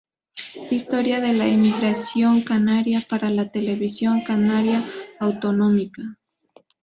Historia de la emigración canaria", para la Televisión Canaria autonómica.